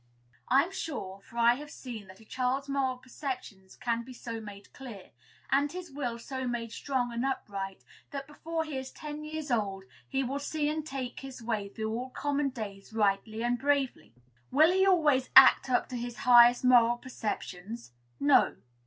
I am sure; for I have seen, that a child's moral perceptions can be so made clear, and his will so made strong and upright, that before he is ten years old he will see and take his way through all common days rightly and bravely. Will he always act up to his highest moral perceptions? No.